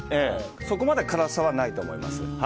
そこまで辛さはないと思います。